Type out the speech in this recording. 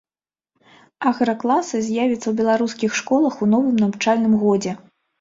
Агракласы з'явяцца ў беларускіх школах у новым навучальным годзе.